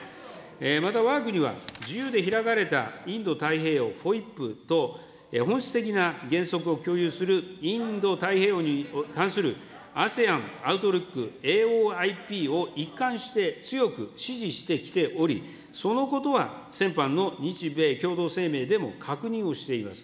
また、わが国は自由で開かれたインド太平洋ホイップと、本質的な原則を共有するインド太平洋に関するＡＳＥＡＮアウトルック、ＡＯＩＰを一貫して強く支持してきており、そのことは先般の日米共同声明でも確認をしています。